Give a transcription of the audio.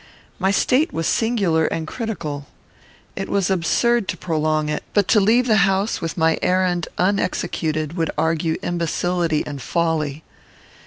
My state was singular and critical. It was absurd to prolong it; but to leave the house with my errand unexecuted would argue imbecility and folly.